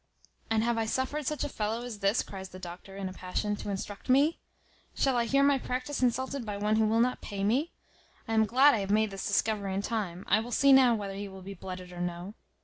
"And have I suffered such a fellow as this," cries the doctor, in a passion, "to instruct me? Shall I hear my practice insulted by one who will not pay me? I am glad I have made this discovery in time. I will see now whether he will be blooded or no."